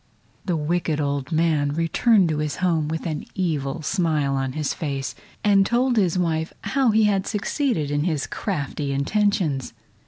The wicked old man returned to his home with an evil smile on his face, and told his wife how he had succeeded in his crafty intentions.